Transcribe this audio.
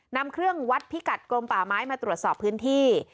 นำเครื่องวัดพิกัดกรมป่าไม้มาตรวจสอบพื้นที่